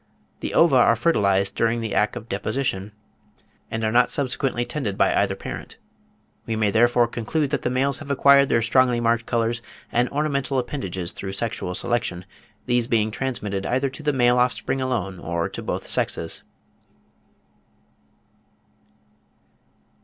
The ova are fertilised during the act of deposition, and are not subsequently tended by either parent. We may therefore conclude that the males have acquired their strongly marked colours and ornamental appendages through sexual selection; these being transmitted either to the male offspring alone, or to both sexes.